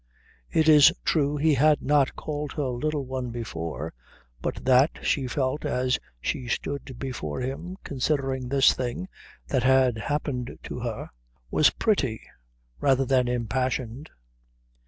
It is true he had not called her Little One before, but that, she felt as she stood before him considering this thing that had happened to her, was pretty rather than impassioned.